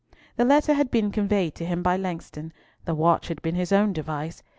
The letter had been conveyed to him by Langston, the watch had been his own device.